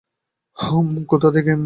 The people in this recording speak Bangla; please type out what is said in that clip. উম কোথা থেকে?